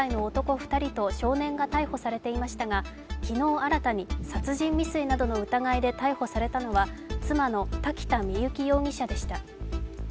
２人と少年が逮捕されていましたが昨日新たに殺人未遂などの疑いで逮捕されたのは妻の瀧田深雪容疑者でした。